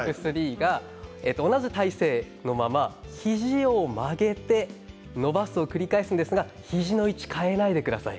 同じ体勢のまま肘を曲げて伸ばすを繰り返すんですが肘の位置を変えないでください。